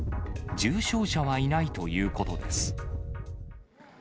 重傷者はいないということです。